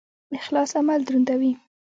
اخلاص عمل دروندوي